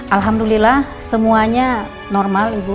alhamdulillah semuanya normal ibu